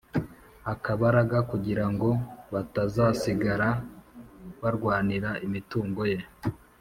akabaraga kugira ngo batazasigara barwanira imitungo ye.